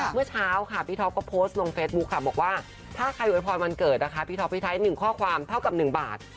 เมื่อเช้าค่ะพี่ท็อปก็โพสต์ลงเฟซบุ๊คค่ะบอกว่าถ้าใครโวยพรวันเกิดนะคะพี่ท็อปพี่ไทย๑ข้อความเท่ากับ๑บาท